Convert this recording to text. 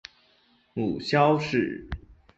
母萧氏。